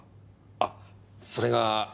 あっそれが。